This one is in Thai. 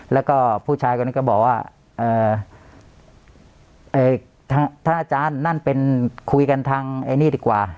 แล้วก็ผู้ชายคนนี้ก็บอกว่าท่านอาจารย์นั่นเป็นคุยกันทางไอ้นี่ดีกว่า